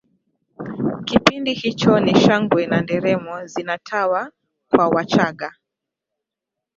kipindi hicho ni shangwe na nderemo zinatawa kwa wachaga